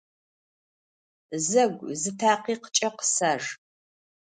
Zegu, zı takhikhç'e khısajj!